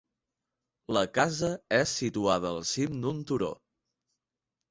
La casa és situada al cim d'un turó.